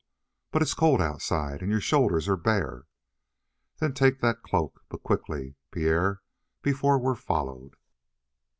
"But it is cold outside, and your shoulders are bare." "Then take that cloak. But quickly, Pierre, before we're followed."